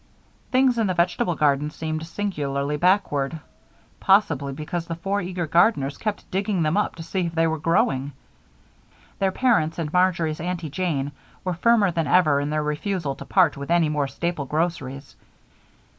Things in the vegetable garden seemed singularly backward, possibly because the four eager gardeners kept digging them up to see if they were growing. Their parents and Marjory's Aunty Jane were firmer than ever in their refusal to part with any more staple groceries.